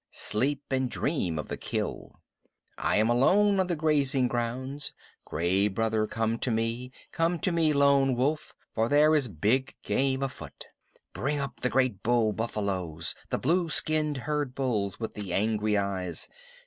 Sleep and dream of the kill. I am alone on the grazing grounds. Gray Brother, come to me! Come to me, Lone Wolf, for there is big game afoot! Bring up the great bull buffaloes, the blue skinned herd bulls with the angry eyes.